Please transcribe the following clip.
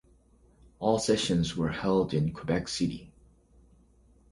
All sessions were held in Quebec City.